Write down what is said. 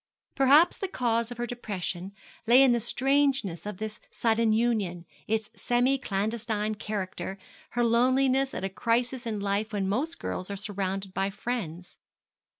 Perhaps the cause of her depression lay in the strangeness of this sudden union, its semi clandestine character, her loneliness at a crisis in life when most girls are surrounded by friends.